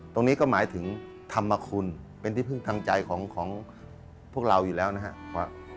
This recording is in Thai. ตรงนี้ก็หมายถึงธรรมคุณเป็นที่พึ่งทางใจของพวกเราอยู่แล้วนะครับว่า